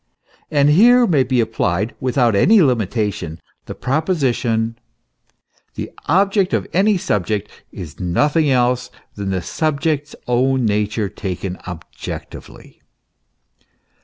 f And here may be applied, without any limitation, the proposition: the object of any subject is nothing else than the subject's own nature taken objectively.